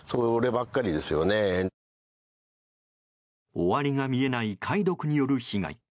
終わりが見えない貝毒による被害。